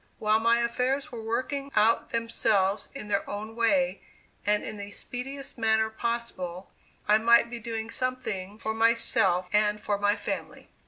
While my affairs were working out themselves in their own way and in the speediest manner possible, I might be doing something for myself and for my family.